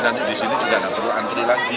nanti disini juga gak perlu antri lagi